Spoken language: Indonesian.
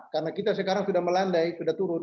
karena kita sekarang sudah melandai sudah turun